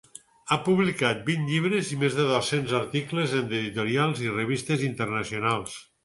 Ha publicat vint llibres i més de dos-cents articles en editorials i revistes internacionals.